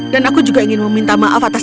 dan aku juga ingin meminta maaf atas